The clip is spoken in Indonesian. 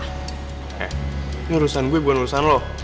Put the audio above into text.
eh ini urusan gue bukan urusan loh